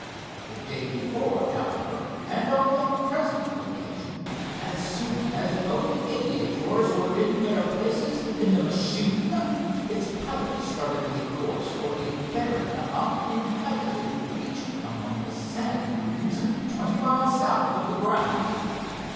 The day before, however, and on the present occasion, as soon as both aviators were in their places in the machine, its pilot started a course for a barren uninhabited reach among the sand dunes twenty miles south of the grounds.